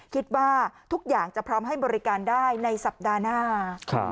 คิดว่าทุกอย่างจะพร้อมให้บริการได้ในสัปดาห์หน้า